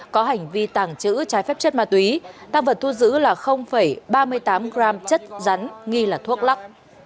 có hành vi tàng trữ trái phép chất ma túy tăng vật thu giữ là ba mươi tám g chất rắn nghi là thuốc lắc